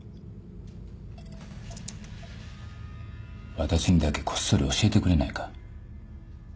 私にだけこっそり教えてくれないか？